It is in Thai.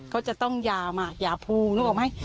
เขาจะต้องหย่ามากหย่าพูรู้หรือเปล่าไหม